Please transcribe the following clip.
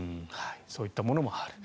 そういったものもある。